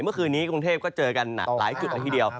เมื่อคืนนี้กรุงเทพก็เจอกันหลายกึ่งอาทิตย์เดียว